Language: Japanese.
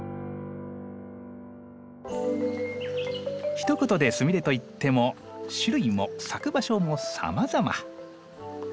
ひと言でスミレといっても種類も咲く場所もさまざま。